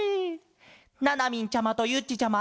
ななみんちゃまとゆっちちゃま！